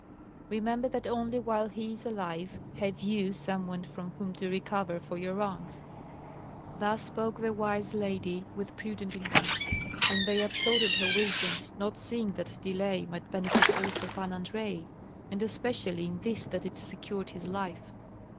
Remember that only while he is alive have you some one from whom to recover for your wrongs." Thus spoke the wise lady with prudent intent, and they applauded her wisdom, not seeing that delay might benefit also Pan Andrei, and especially in this that it secured his life.